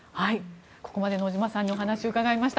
ここまで野嶋さんにお話をお伺いしました。